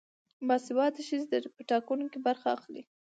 باسواده ښځې په ټاکنو کې برخه اخلي.